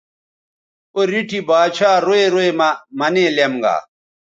او ریٹھی با ڇھا روئ روئ مہ منے لیم گا